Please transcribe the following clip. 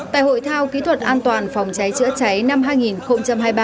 tại hội thao kỹ thuật an toàn phòng cháy chữa cháy năm hai nghìn hai mươi ba